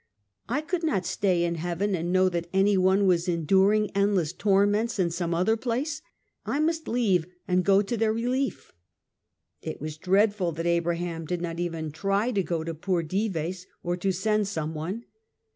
I could not stay in heaven, and know that any one was enduring endless torments in some other place! I must leave and go to their relief It was dreadful that Abraham did not even try to go to poor Dives, or to send some one.